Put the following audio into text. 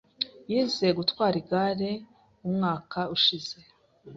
Yize gutwara igare umwaka ushize.